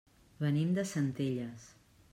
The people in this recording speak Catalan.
Venim de Centelles.